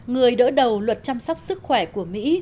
người đỡ đầu luật chăm sóc sức khỏe của mỹ